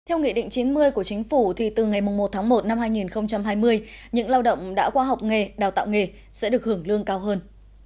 theo nghị định chín mươi của chính phủ thì từ ngày một tháng một năm hai nghìn hai mươi những lao động đã qua học nghề đào tạo nghề sẽ được hưởng lương cao hơn